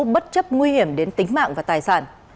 bất chấp nguy hiểm đến tính mạng và tài sản